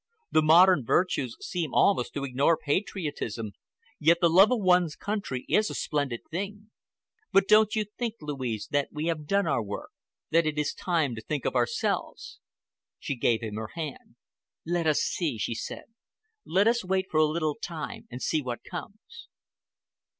The modern virtues seem almost to ignore patriotism, yet the love of one's country is a splendid thing. But don't you think, Louise, that we have done our work—that it is time to think of ourselves?" She gave him her hand. "Let us see," she said. "Let us wait for a little time and see what comes."